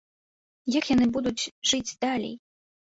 Як яны будуць жыць далей?